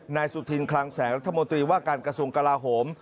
นายสุธินคลังแสงรัฐมนตรีว่าการกระทรวงกลาโหม